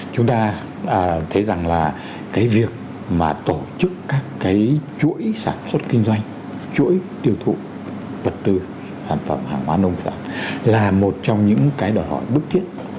chúng ta thấy rằng là cái việc mà tổ chức các cái chuỗi sản xuất kinh doanh chuỗi tiêu thụ vật tư sản phẩm hàng hóa nông sản là một trong những cái đòi hỏi bức thiết